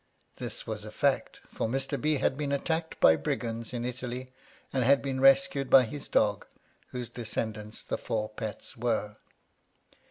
This was a fact, for Mr. B. had been attacked by brigands in Italy, and had been rescued by his dog, whose descendants the four pets were.